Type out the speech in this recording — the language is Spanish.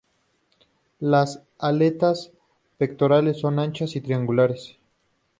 Las aletas pectorales son anchas y triangulares.